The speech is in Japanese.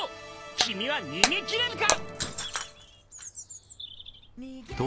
君は逃げ切れるか！？